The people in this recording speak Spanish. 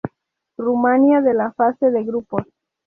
Rumania de la fase de grupos.